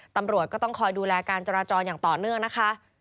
ตำรวจก็ต้องคอยดูแลการจราจรอย่างต่อเนื่องนะคะ